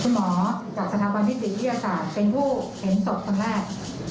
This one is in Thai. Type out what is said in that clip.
คุณหมอจากสนับวันที่สิทธิศาสตร์เป็นผู้เห็นศพทั้งแรก